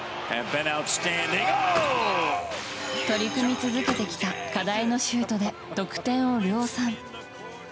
取り組み続けてきた課題のシュートで得点を量産。